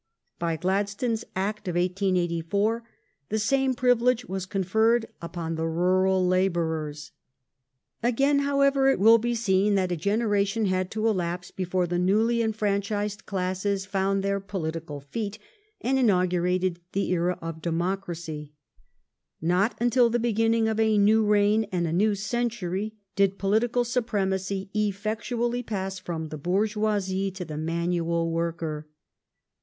By Gladstone's Act of 1884 the same privilege was conferred upon the rural labourers. Again, however, it will be seen that a genera tion had to elapse before the newly enfranchised classes found their political feet and inaugurated the era of " Democracy ". Not until the beginning of a new . reign and a new century did political supremacy effectually pass from the bourgeoisie to the manual worker.